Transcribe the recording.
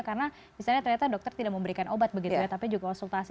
karena ternyata dokter tidak memberikan obat begitu ya tapi juga konsultasi